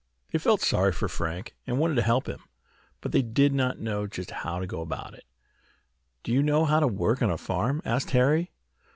They felt sorry for Frank, and wanted to help him, but they did not know just how to go about it. "Do you know how to work on a farm?" asked Harry.